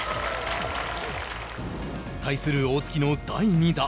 対する大槻の第２打。